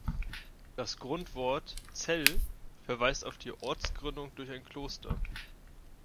Das Grundwort „-zell“ verweist auf die Ortsgründung durch ein Kloster.